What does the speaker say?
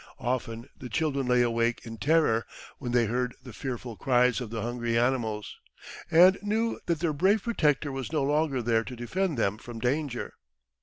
Often the children lay awake in terror when they heard the fearful cries of the hungry animals, and knew that their brave protector was no longer there to defend them from danger.